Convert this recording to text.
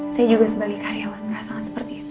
saya juga sebagai karyawan merasakan seperti itu